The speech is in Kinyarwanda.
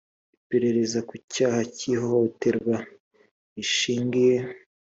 iperereza ku cyaha cy ihohoterwa rishingiye